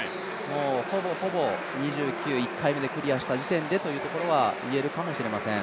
ほぼほぼ２９、１回目でクリアした時点でというところは言えるかもしれません。